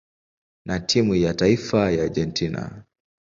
na timu ya taifa ya Argentina.